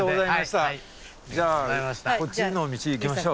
じゃあこっちの道行きましょう。